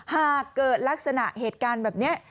หากเกิดลักษณะเหตุการณ์แบบนี้